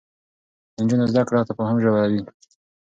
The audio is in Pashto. د نجونو زده کړه تفاهم ژوروي.